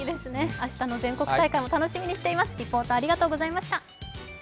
明日の全国大会も楽しみにしています。